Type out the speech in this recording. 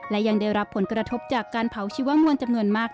และยังได้รับผลกระทบจากการเผาชีวมวลจำนวนมาก